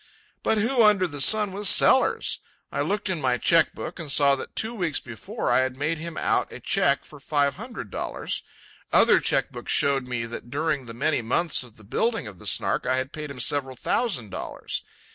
But who under the sun was Sellers? I looked in my cheque book and saw that two weeks before I had made him out a cheque for five hundred dollars. Other cheque books showed me that during the many months of the building of the Snark I had paid him several thousand dollars.